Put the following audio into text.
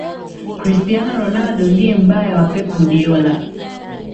cristiano ronaldo ndiye mbaya wa pep guardiola